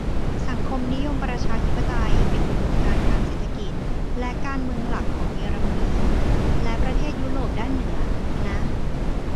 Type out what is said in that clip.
สังคมนิยมประชาธิปไตย เป็นอุดมการณ์ทางเศรษฐกิจและการเมืองหลักของเยอรมนี และประเทศยุโรปด้านเหนือ อะนะ